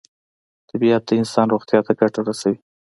طبیعت د انسان روغتیا ته ګټه رسوي.